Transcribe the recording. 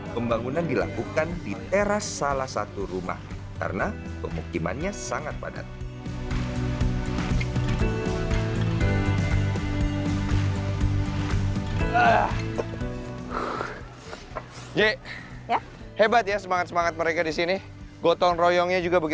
salam salam pak bima ya